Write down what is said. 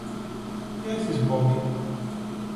Τι έχεις, Μπόμπη;